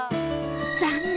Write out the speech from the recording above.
残念！